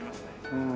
うん。